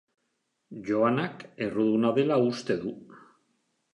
Joanak erruduna dela uste du.